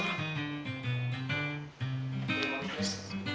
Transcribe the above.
terima kasih nasis